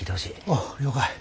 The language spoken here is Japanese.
おう了解。